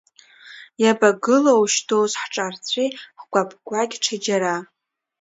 Иабагылоушь доус ҳҿарҵәи, ҳкәаԥқәагь ҽаџьара.